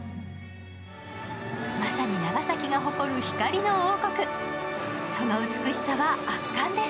まさに長崎が誇る光の王国、その美しさは圧巻です。